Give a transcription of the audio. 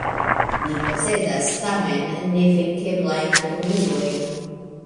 Ni posedas, tamen, nevenkeblajn armilojn.